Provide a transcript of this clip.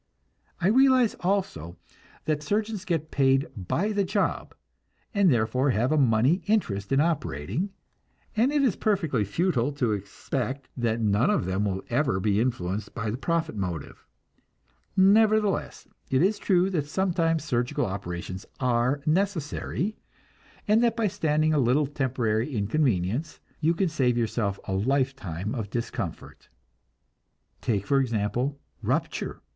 I realize, also, that surgeons get paid by the job, and therefore have a money interest in operating, and it is perfectly futile to expect that none of them will ever be influenced by the profit motive. Nevertheless, it is true that sometimes surgical operations are necessary, and that by standing a little temporary inconvenience you can save yourself a life time of discomfort. Take, for example, rupture.